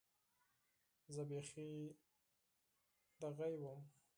زه بيخي همداسې وم.